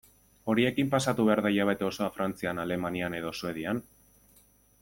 Horiekin pasatu behar da hilabete osoa Frantzian, Alemanian edo Suedian?